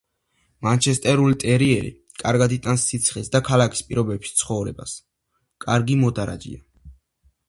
მანჩესტერული ტერიერი კარგად იტანს სიცხეს და ქალაქის პირობებში ცხოვრებას, კარგი მოდარაჯეა.